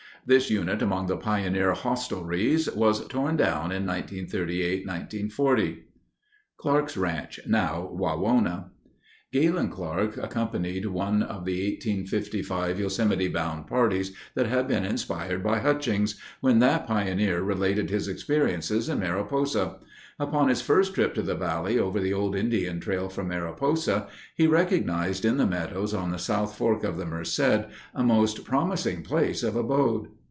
This unit among the pioneer hostelries was torn down in 1938 1940. Clark's Ranch, Now Wawona Galen Clark accompanied one of the 1855 Yosemite bound parties that had been inspired by Hutchings, when that pioneer related his experiences in Mariposa. Upon his first trip to the valley over the old Indian trail from Mariposa, he recognized in the meadows on the South Fork of the Merced a most promising place of abode.